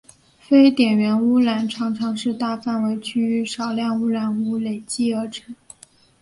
非点源污染常常是大范围区域少量污染物累积而成。